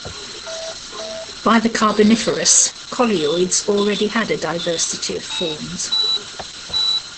By the Carboniferous, coleoids already had a diversity of forms.